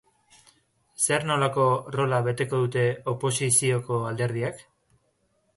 Zer nolako rol-a beteko dute oposizioko alderdiek?